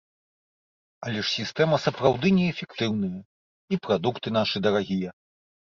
Але ж сістэма сапраўды неэфектыўная, і прадукты нашы дарагія.